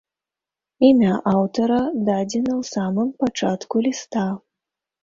Імя аўтара дадзена ў самым пачатку ліста.